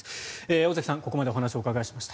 尾崎さん、ここまでお話をお伺いしました。